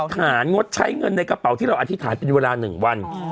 ฐานงดใช้เงินในกระเป๋าที่เราอธิษฐานเป็นเวลา๑วัน